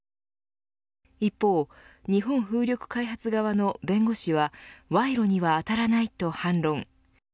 一方、日本風力開発側の弁護士は賄賂には当たらないと反論。